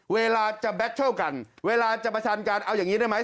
เวลาจะแบคเทิลกันเวลาจะประชันกันเอาอย่างนี้ได้ไหม